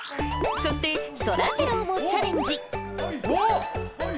そして、そらジローもチャレンジ。